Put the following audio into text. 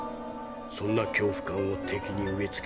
そんな恐怖感を敵に植え付けるのだ。